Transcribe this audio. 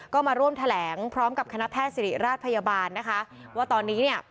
ก็มาร่วมแถลงพร้อมกับคณะแพทย์สิริราชพยาบาลนะคะว่าตอนนี้เนี่ย